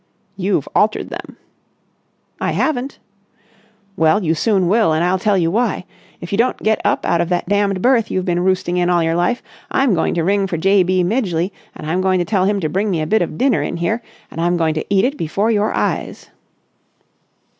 "You've altered them." "I haven't." "Well, you soon will, and I'll tell you why. If you don't get up out of that damned berth you've been roosting in all your life, I'm going to ring for J. B. Midgeley and I'm going to tell him to bring me a bit of dinner in here and I'm going to eat it before your eyes."